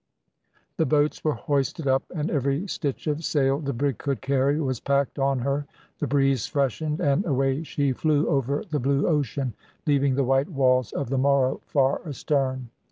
The boats were hoisted up, and every stitch of sail the brig could carry was packed on her. The breeze freshened, and away she flew over the blue ocean, leaving the white walls of the Moro far astern.